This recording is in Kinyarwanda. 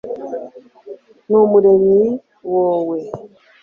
n'umuremyi, wowe